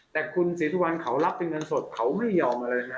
แต่คุณศรีธุวรรณเขารับเป็นเงินสดของไม่ยอมอะไรอย่างแน่